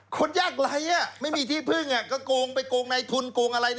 คนยากไร้ไม่มีที่พึ่งก็โกงไปโกงในทุนโกงอะไร